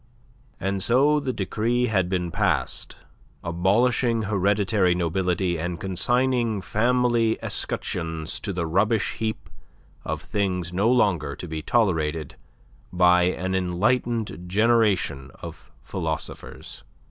And so the decree had been passed abolishing hereditary nobility and consigning family escutcheons to the rubbish heap of things no longer to be tolerated by an enlightened generation of philosophers.